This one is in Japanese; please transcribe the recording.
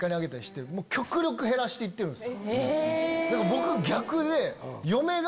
僕逆で。